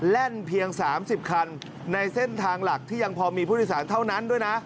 แล่นเพียง๓๐คันในเส้นทางหลักที่ยังพอมีผู้โดยสารเท่านั้นด้วยนะ